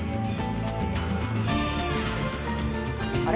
あれ？